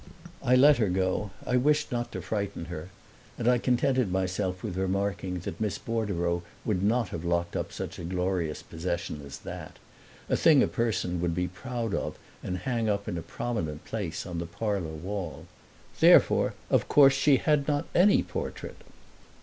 I let her go I wished not to frighten her and I contented myself with remarking that Miss Bordereau would not have locked up such a glorious possession as that a thing a person would be proud of and hang up in a prominent place on the parlor wall. Therefore of course she had not any portrait.